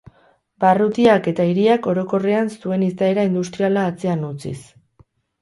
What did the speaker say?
Barrutiak eta hiriak orokorrean zuen izaera industriala atzean utziz.